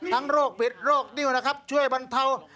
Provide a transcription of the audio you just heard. ทั้งโรคปิดโรคนิ่วช่วยบรรเทา